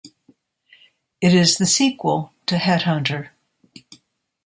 It is the sequel to "Headhunter".